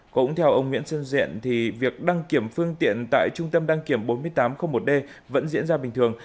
cũng theo ông nguyễn sơn diện thì việc đăng kiểm phương tiện tại trung tâm đăng kiểm bốn nghìn tám trăm linh một d vẫn diễn ra bình thường